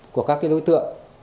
của các đối tượng